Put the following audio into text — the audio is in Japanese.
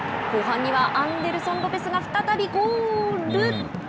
後半にはアンデルソン・ロペスが再びゴール。